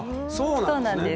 そうなんです。